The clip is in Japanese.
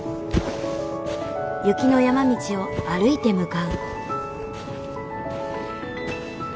雪の山道を歩いて向かう。